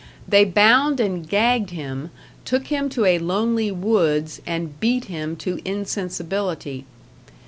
They bound and gagged him, took him to a lonely woods, and beat him to insensibility.